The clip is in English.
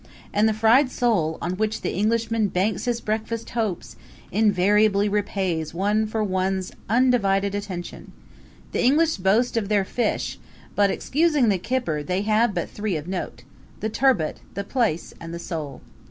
And the fried sole, on which the Englishman banks his breakfast hopes, invariably repays one for one's undivided attention. The English boast of their fish; but, excusing the kipper, they have but three of note the turbot, the plaice and the sole.